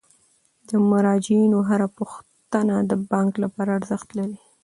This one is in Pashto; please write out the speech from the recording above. د مراجعینو هره پوښتنه د بانک لپاره ارزښت لري.